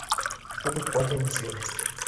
Hubo cuatro emisiones.